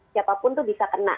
siapapun itu bisa kena